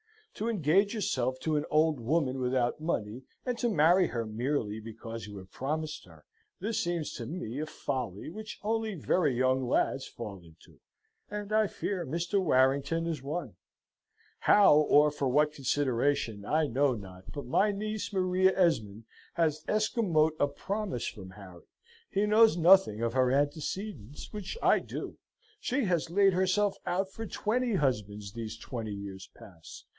to engage yourself to an old woman without money, and to marry her merely because you have promised her, this seems to me a follie which only very young lads fall into, and I fear Mr. Warrington is one. How, or for what consideration, I know not, but my niece Maria Esmond hath escamote a promise from Harry. He knows nothing of her antecedens, which I do. She hath laid herself out for twenty husbands these twenty years past.